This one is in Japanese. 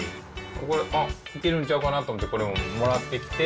これ、あっ、いけるんちゃうかなと思ってもらってきて。